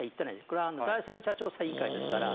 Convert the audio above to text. これは第三者調査委員会ですから。